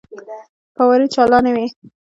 فوارې چالانې وې.